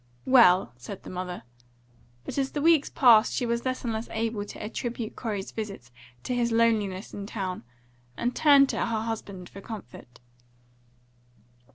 "Well!" said the mother; but as the weeks passed she was less and less able to attribute Corey's visits to his loneliness in town, and turned to her husband for comfort.